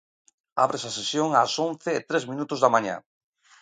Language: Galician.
Ábrese a sesión ás once e tres minutos da mañá.